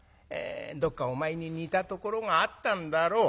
どっかお前に似たところがあったんだろう。